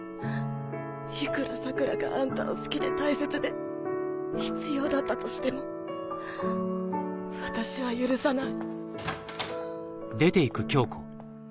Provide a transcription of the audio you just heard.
いくら桜良があんたを好きで大切で必要だったとしても私は許さない。